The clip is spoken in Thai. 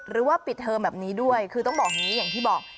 หรือว่าปิดเทอมแบบนี้ด้วยคือต้องบอกอย่างนี้อย่างที่บอก